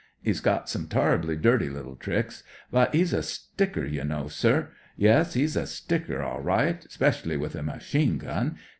*E*s got some toler'bly dirty little tricks; but 'e*s a sticker, ye know, sir. Yuss, *e*s a sticker, orlright, 'specially with a machine gun.